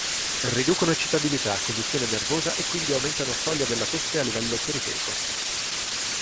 Riducono eccitabilità, conduzione nervosa e quindi aumentano soglia della tosse a livello periferico.